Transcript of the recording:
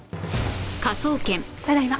ただいま。